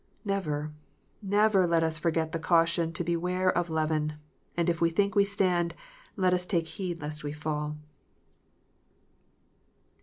Never, never let us forget the caution to beware of "leaven ;" and if we think we stand, let us " take heed lest we fall."